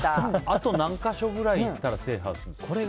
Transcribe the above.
あと何か所くらい行ったら制覇するの？